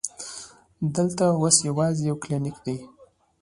دلته اوس یوازې یو کلینک دی.